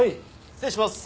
失礼します。